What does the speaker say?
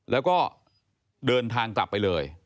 แล้วก็เดินทางกลับไปเลย